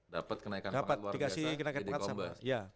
dapat kenaikan pangkat luar biasa dapat dikasih kenaikan pangkat